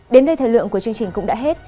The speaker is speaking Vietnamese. đến đây thời lượng của chương trình cũng đã hết